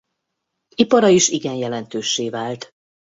Ipara is igen jelentőssé vált.